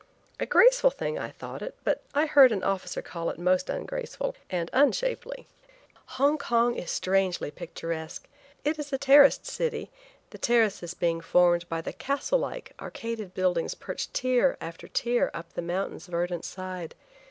A graceful thing I thought it, but I heard an officer call it most ungraceful and unshapely. Hong Kong is strangely picturesque. It is a terraced city, the terraces being formed by the castle like, arcaded buildings perched tier after tier up the mountain's verdant side.